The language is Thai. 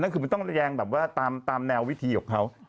ก็ต้องต้องอย่างตามแนววิธีของเขา